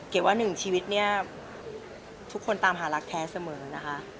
ว่าหนึ่งชีวิตเนี่ยทุกคนตามหารักแท้เสมอนะคะ